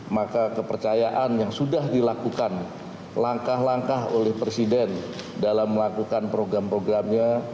maka kepercayaan yang sudah dilakukan langkah langkah oleh presiden dalam melakukan program programnya